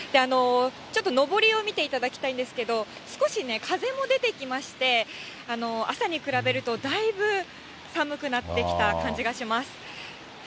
ちょっとのぼりを見ていただきたいんですけど、少し風も出てきまして、朝に比べるとだいぶ寒くなってきた感じがします。